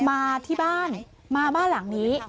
มาที่บ้านมาบ้านหลังนี้